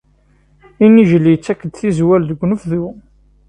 Inijel yettak-d tizwal deg unebdu